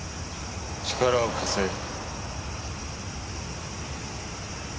力を貸せ。